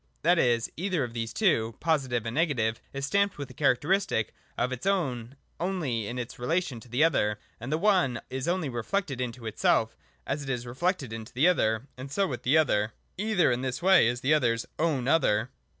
That is, either of these two (Positive and Negative) is stamped with a characteristic of its own only in its relation to the other : the one is only reflected into itself as it is reflected into the other. And so with the other. Either in this way is the other's own other.